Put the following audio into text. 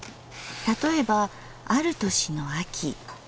例えばある年の秋。